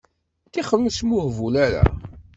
Ṭixer ur smuhbul ara.